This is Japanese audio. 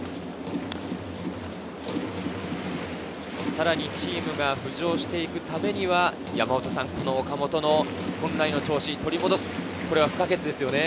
さらにチームが浮上していくためには、この岡本の本来の調子を取り戻す、それが不可欠ですよね。